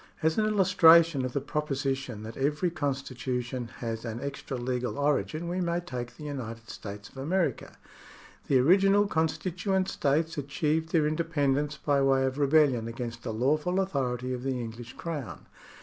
As an illustration of the proposition that every constitu tion has an extra legal origin, we may take the United States of America. The original constituent states achieved their independence by way of rebellion against the lawful authority of the English Crown.